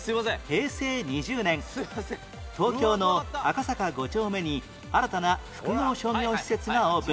平成２０年東京の赤坂５丁目に新たな複合商業施設がオープン